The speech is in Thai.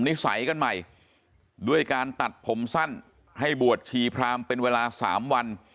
นิสัยกันใหม่ด้วยการตัดผมสั้นให้บวชชีพรามเป็นเวลา๓วัน